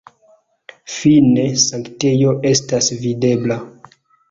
Fine sanktejo estas videbla.